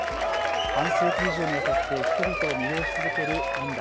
半世紀以上にわたって人々を魅了し続けるパンダ。